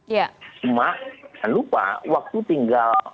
cuma jangan lupa waktu tinggal